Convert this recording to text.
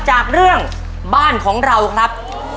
จากเรื่องบ้านของเราครับ